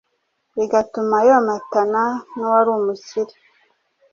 bigatuma yomatana n’Uwari umukire